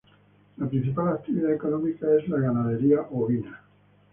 La principal actividad económica es la ganadería ovina.